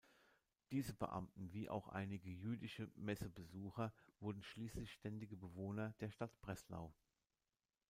Diese Beamten, wie auch einige jüdische Messebesucher, wurden schließlich ständige Bewohner der Stadt Breslau.